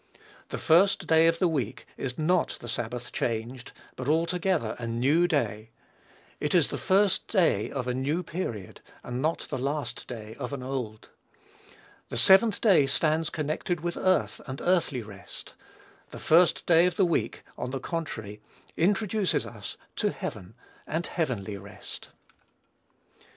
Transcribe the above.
The first day of the week is not the Sabbath changed, but altogether a new day. It is the first day of a new period, and not the last day of an old. The seventh day stands connected with earth and earthly rest: the first day of the week, on the contrary, introduces us to heaven and heavenly rest.